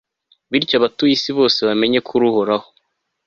bityo abatuye isi bose bamenye ko uri uhoraho